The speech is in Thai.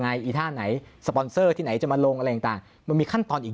อีท่าไหนสปอนเซอร์ที่ไหนจะมาลงอะไรต่างมันมีขั้นตอนอีก